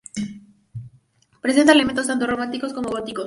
Presenta elementos tanto románicos como góticos.